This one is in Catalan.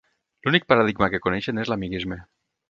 "L'únic paradigma que coneixen és l'amiguisme.